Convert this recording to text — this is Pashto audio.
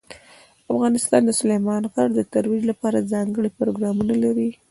افغانستان د سلیمان غر د ترویج لپاره ځانګړي پروګرامونه لري.